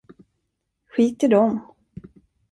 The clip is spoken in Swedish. Skit i dem.